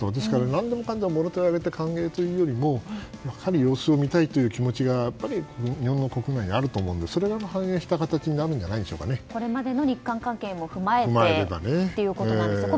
何でもかんでももろ手を挙げて歓迎というよりもやはり様子を見たいという気持ちが、日本の国内にあると思うのでそれを反映した形にこれまでの日韓関係も踏まえてということですね。